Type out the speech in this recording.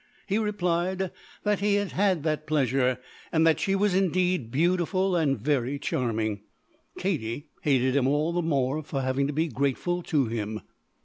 He replied that he had had that pleasure and that she was indeed beautiful and very charming. Katie hated him the more for having to be grateful to him.